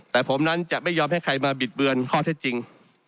แต่ผมนั้นจะไม่ยอมให้ใครมาบิดเบือนข้อเท็จจริง